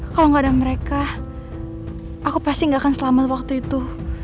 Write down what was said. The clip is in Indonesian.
kalau gak ada mereka aku pasti gak akan selamat waktu itu